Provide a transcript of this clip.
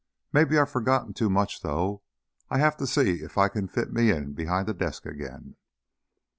"Maybe I've forgotten too much, though. I have to see if I can fit me in behind a desk again."